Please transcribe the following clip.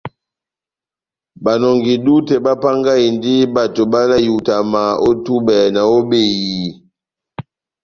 Banɔngi-dútɛ bapángahindi bato bavalahani ihutama ó túbɛ ná ó behiyi.